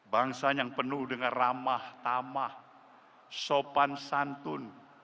bangsa yang penuh dengan ramah tamah sopan santun